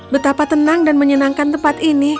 betapa tenang dan menyenangkan tempat ini